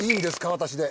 私で。